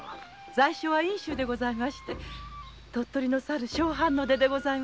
在所は因州でございまして鳥取のさる小藩の出でございます。